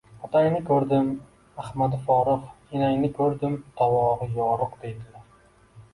— Otangni ko‘rdim, ahmadi forig‘, enangni ko‘rdim, tovoni yoriq, deydilar.